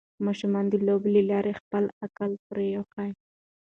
ماشومان د لوبو له لارې خپل عقل پراخوي.